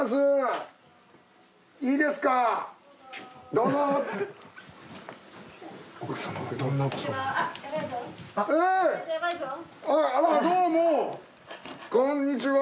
どうもこんにちは。